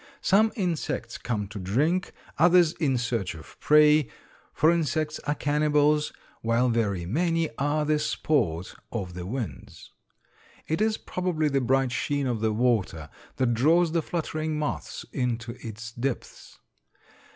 Some insects come to drink, others in search of prey, for insects are cannibals, while very many are the sport of the winds. It is probably the bright sheen of the water that draws the fluttering moths into its depths.